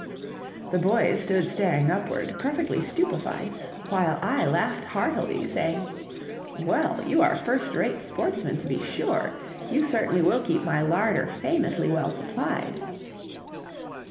"The boys stood staring upward, perfectly stupefied, while I laughed heartily, saying, 'Well, you are first rate sportsmen, to be sure! You certainly will keep my larder famously well supplied!'